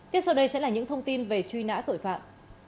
tiếp sau đây sẽ là những thông tin về truy nã tội phạm